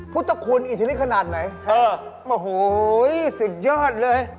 พุตรคุณอีทลิกขนาดไหนเหรอโอ้โฮฮ่าหื้วผวักเสียแยก